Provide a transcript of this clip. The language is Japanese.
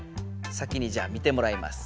先にじゃあ見てもらいます。